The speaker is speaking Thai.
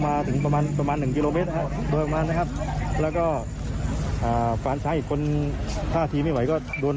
ก็คือมามุงดูเหตุการณ์นะครับ